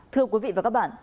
thưa quý vị và các bạn